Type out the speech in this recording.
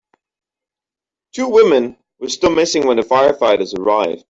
Two women were still missing when the firefighters arrived.